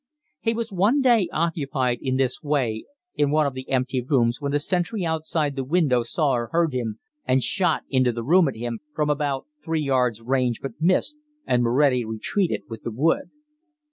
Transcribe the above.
He was one day occupied in this way in one of the empty rooms when the sentry outside the window saw or heard him, and shot into the room at him from about 3 yards' range but missed, and Moretti retreated with the wood.